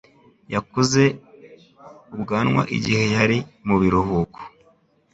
Yakuze ubwanwa igihe yari mu biruhuko.